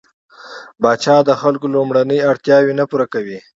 پاچا د خلکو لومړنۍ اړتياوې نه پوره کوي.